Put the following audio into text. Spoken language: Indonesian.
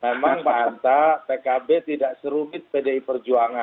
memang pak hanta pkb tidak serumit pdi perjuangan